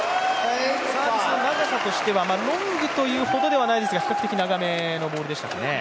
サービスの長さとしてはロングではないですが比較的、長めのボールでしたかね。